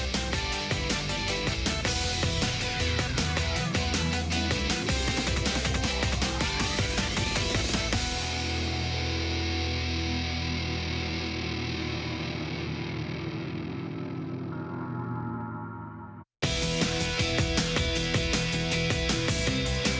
โปรดติดตามตอนต่อไป